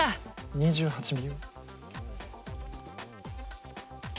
２８秒。